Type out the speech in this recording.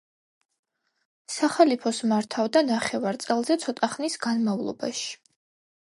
სახალიფოს მართავდა ნახევარ წელზე ცოტა ხნის განმავლობაში.